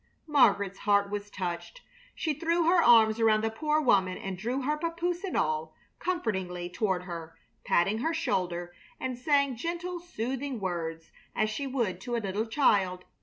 Margaret's heart was touched. She threw her arms around the poor woman and drew her, papoose and all, comfortingly toward her, patting her shoulder and saying gentle, soothing words as she would to a little child.